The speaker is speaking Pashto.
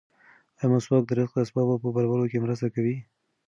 ایا مسواک د رزق د اسبابو په برابرولو کې مرسته کوي؟